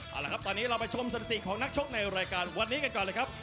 เอาละครับตอนนี้เราไปชมสถิติของนักชกในรายการวันนี้กันก่อนเลยครับ